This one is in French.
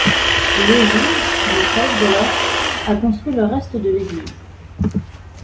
L’ogive, maîtresse dès lors, a construit le reste de l’église.